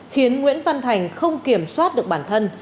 khiến nguyễn văn thành không kiểm soát được bản thân